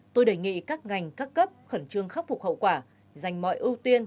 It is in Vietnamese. tôi đề nghị các ngành các cấp khẩn trương khắc phục hậu quả dành mọi ưu tiên